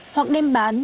hoặc đem bán